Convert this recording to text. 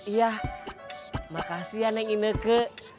iya makasih ya neng ineke